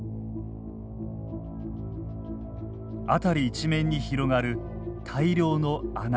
辺り一面に広がる大量の穴。